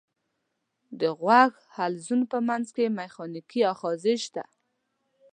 د غوږ حلزون په منځ کې مېخانیکي آخذې شته.